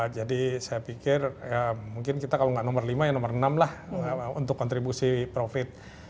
jadi saya pikir mungkin kita kalau gak nomor lima ya nomor enam lah untuk kontribusi profit